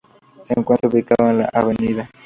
Se encuentra ubicado en la Av.